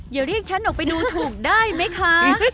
อย่าเรียกฉันออกไปดูถูกได้ไหมคะ